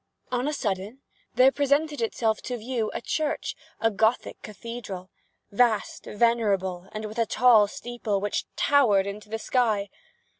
On a sudden, there presented itself to view a church—a Gothic cathedral—vast, venerable, and with a tall steeple, which towered into the sky.